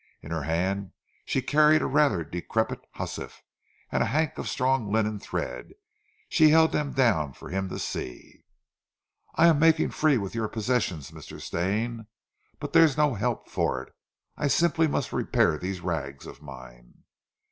In her hand she carried a rather decrepit hussif and a hank of strong linen thread. She held them down for him to see. "I am making free with your possessions, Mr. Stane, but there's no help for it. I simply must repair these rags of mine."